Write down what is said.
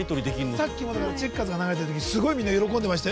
さっきもチェッカーズが流れたときにすごいみんな喜んでましたよ。